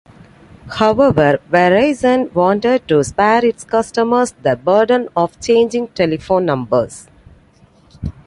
However, Verizon wanted to spare its customers the burden of changing telephone numbers.